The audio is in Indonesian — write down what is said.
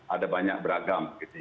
ada banyak beragam